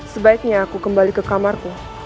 sebaiknya aku kembali ke kamarku